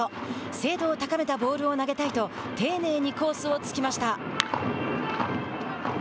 精度を高めたボールを投げたいと丁寧にコースを突きました。